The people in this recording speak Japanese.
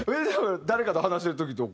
誰かと話してる時とか？